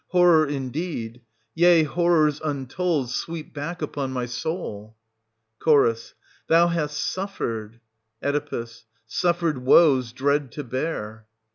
Horror indeed — yea, horrors untold sweep back upon my soul ! Ch. Thou hast suffered — Oe. Suffered woes dread to bear.